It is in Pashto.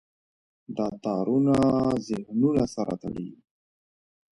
دا تارونه ذهنونه سره تړي.